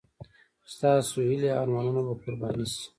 ستاسو هیلې او ارمانونه به قرباني شي.